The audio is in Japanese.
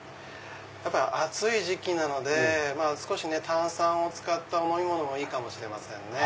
やっぱ暑い時期なので少し炭酸を使ったお飲み物もいいかもしれませんね。